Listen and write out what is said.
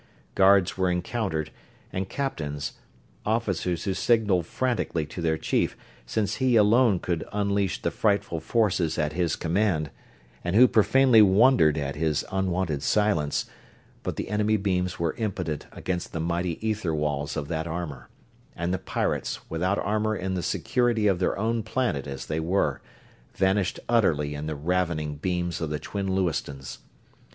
Guards were encountered, and captains officers who signaled frantically to their chief, since he alone could unleash the frightful forces at his command, and who profanely wondered at his unwonted silence but the enemy beams were impotent against the mighty ether walls of that armor; and the pirates, without armor in the security of their own planet as they were, vanished utterly in the ravening beams of the twin Lewistons.